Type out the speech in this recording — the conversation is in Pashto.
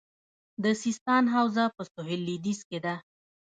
د سیستان حوزه په سویل لویدیځ کې ده